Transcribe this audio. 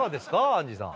アンジーさん。